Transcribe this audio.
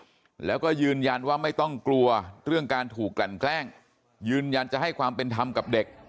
แล้วก็ยืนยันว่าไม่ต้องกลัวเรื่องการถูกกลั่นแกล้งยืนยันจะให้ความเป็นธรรมกับเด็ก